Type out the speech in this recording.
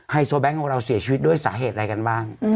โซแบงค์ของเราเสียชีวิตด้วยสาเหตุอะไรกันบ้าง